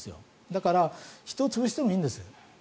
だから人は潰してもいいんです。